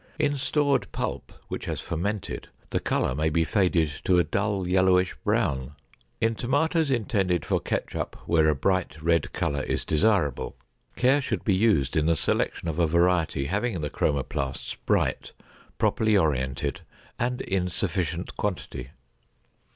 In stored pulp which has fermented, the color may be faded to a dull yellowish brown. In tomatoes intended for ketchup where a bright red color is desirable, care should be used in the selection of a variety having the chromoplasts bright, properly oriented, and in sufficient quantity.